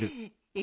え？